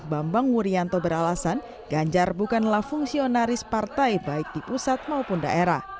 bambang wuryanto beralasan ganjar bukanlah fungsionaris partai baik di pusat maupun daerah